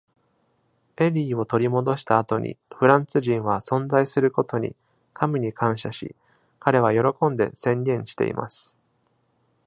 エリーを取り戻した後に、フランス人は存在することに、神に感謝し、彼は喜んで宣言しています。